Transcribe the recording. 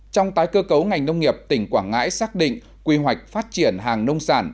trong tái cơ cấu ngành nông nghiệp tỉnh quảng ngãi xác định quy hoạch phát triển hàng nông sản